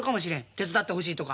手伝ってほしいとか。